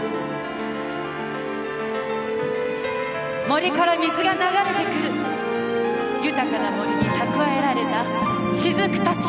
森から水が流れてくる豊かな森に蓄えられたしずくたち。